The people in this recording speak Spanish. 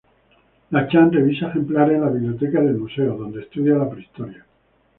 Latcham revisa ejemplares en la biblioteca del museo, donde estudia la prehistoria.